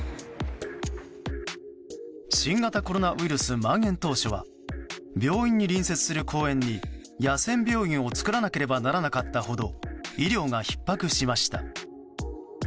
新型コロナウイルスまん延当初は病院に隣接する公園に野戦病院を作らなければならなかったほど医療がひっ迫しました。